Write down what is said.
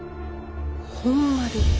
本丸？